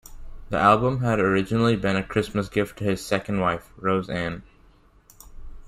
The album had originally been a Christmas gift to his second wife, Rose Anne.